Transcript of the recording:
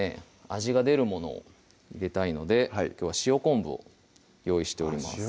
味が出るものを入れたいのできょうは塩昆布を用意しております